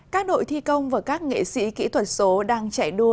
các đội thi công và các nghệ sĩ kỹ thuật số đang chạy đua